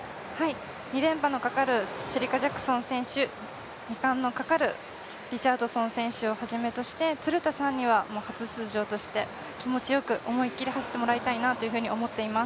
２連覇のかかるシェリカ・ジャクソン選手２冠のかかるリチャードソン選手をはじめとして、鶴田さんには初出場として気持ちよく思い切り走ってもらいたいなと思います。